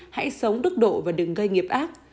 hãy sống đức độ và đừng gây nghiệp ác